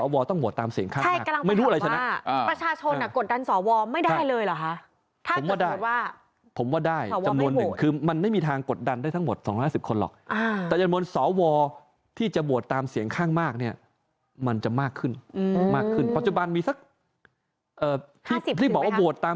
ว่าสอวรต้องโหวตตามเสียงข้างมากไม่รู้อะไรจะนัด